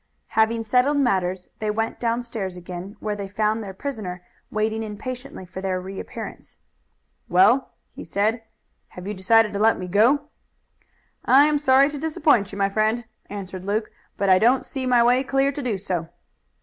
Having settled matters they went downstairs again, where they found their prisoner waiting impatiently for their reappearance. "Well," he said, "have you decided to let me go?" "I am sorry to disappoint you, my friend," answered Luke, "but I don't see my way clear to do so."